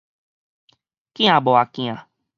鏡磨鏡